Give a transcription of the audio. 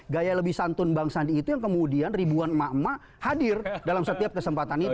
gaya lebih santun bang sandi itu yang kemudian ribuan emak emak hadir dalam setiap kesempatan itu